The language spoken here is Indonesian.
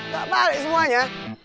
gak balik semuanya